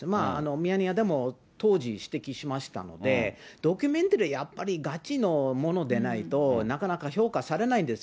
ミヤネ屋でも当時、指摘しましたので、ドキュメンタリー、やっぱりガチのものでないと、なかなか評価されないんです。